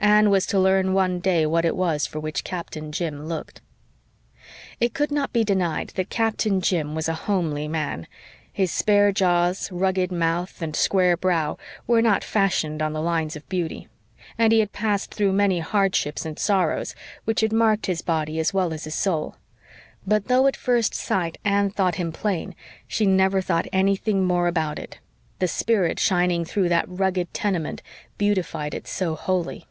Anne was to learn one day what it was for which Captain Jim looked. It could not be denied that Captain Jim was a homely man. His spare jaws, rugged mouth, and square brow were not fashioned on the lines of beauty; and he had passed through many hardships and sorrows which had marked his body as well as his soul; but though at first sight Anne thought him plain she never thought anything more about it the spirit shining through that rugged tenement beautified it so wholly.